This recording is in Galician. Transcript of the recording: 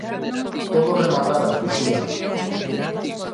Todo rematara; fuxían.